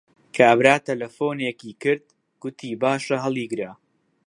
کابرا تەلەفۆنێکی کرد، گوتی باشە هەڵیگرە